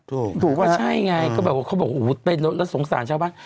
ถูกก็ใช่ไงก็แบบว่าเขาบอกโอ้โหเต้นแล้วสงสารชาวบ้าน